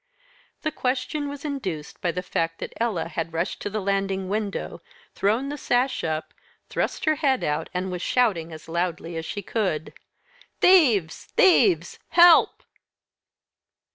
The question was induced by the fact that Ella had rushed to the landing window, thrown the sash up, thrust her head out, and was shouting as loudly as she could: "Thieves! thieves! help!"